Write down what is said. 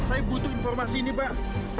saya butuh informasi ini pak